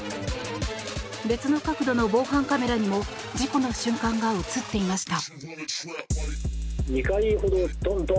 別の角度の防犯カメラにも事故の瞬間が映っていました。